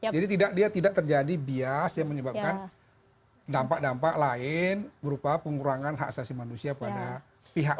jadi dia tidak terjadi bias yang menyebabkan dampak dampak lain berupa pengurangan hak sasi manusia pada orang